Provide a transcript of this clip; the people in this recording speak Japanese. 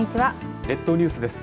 列島ニュースです。